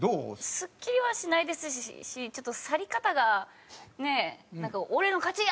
すっきりはしないですしちょっと去り方がねなんか「俺の勝ちや！」